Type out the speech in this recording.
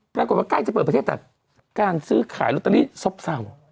ใกล้จะเปิดประเทศแต่การซื้อขายลอตเตอรี่ซบเศร้า